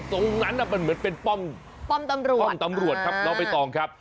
ตรงนั้นมันเหมือนเป็นป้อมตำรวจเราไปต่อครับ